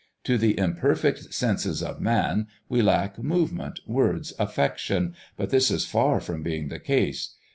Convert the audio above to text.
To the imperfect senses of man we lack movement, words, affection, but this is far from being the case.